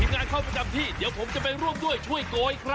งานเข้าประจำที่เดี๋ยวผมจะไปร่วมด้วยช่วยโกยครับ